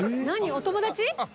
お友達？